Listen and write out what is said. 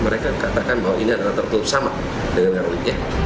mereka katakan bahwa ini adalah tertutup sama dengan ngawi